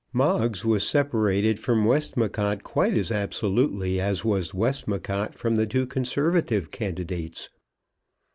Moggs was separated from Westmacott quite as absolutely as was Westmacott from the two Conservative candidates.